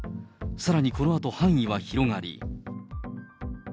さらにこのあと範囲は広がり。